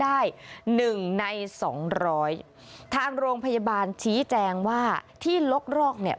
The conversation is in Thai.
พาพนักงานสอบสวนสนราชบุรณะพาพนักงานสอบสวนสนราชบุรณะ